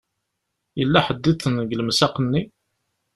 Yella ḥedd-iḍen deg lemsaq-nni?